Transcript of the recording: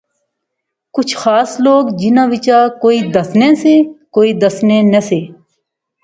کچھ خاص لوک جنہاں وچا کوئی دسنے سے کوئی دسنے نہسے